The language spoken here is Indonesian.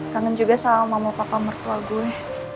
kangen juga sama mama papa mertua gue